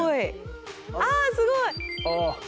あすごい！